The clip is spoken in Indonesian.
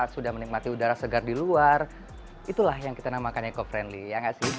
sudah menikmati udara segar di luar itulah yang kita namakan eco friendly